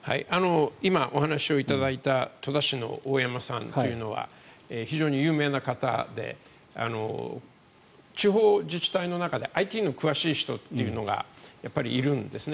今お話しいただいた戸田市の大山さんというのは非常に有名な方で地方自治体の中でＩＴの詳しい人というのがやっぱりいるんですね。